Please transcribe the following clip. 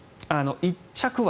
１着は。